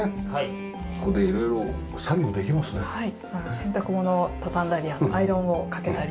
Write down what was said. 洗濯物を畳んだりアイロンをかけたり。